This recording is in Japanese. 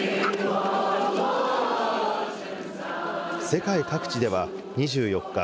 世界各地では２４日、